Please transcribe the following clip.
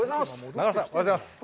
中丸さん、おはようございます。